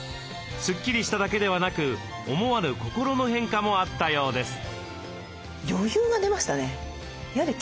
スッキリしただけではなく思わぬ心の変化もあったようです。